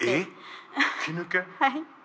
はい。